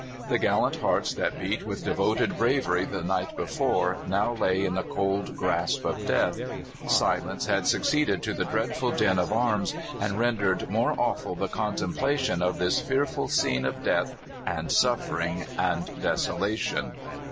The gallant hearts that beat with devoted bravery the night before now lay in the cold grasp of death. Silence had succeeded to the dreadful din of arms, and rendered more awful the contemplation of this fearful scene of death and suffering and desolation.